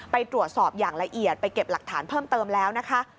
ไปตรวจสอบอย่างละเอียดไปเก็บหลักฐานเพิ่มเติมแล้วนะคะ